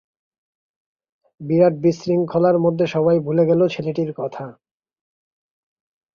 বিরাট বিশৃঙ্খলার মধ্যে সবাই ভুলে গেল ছেলেটির কথা!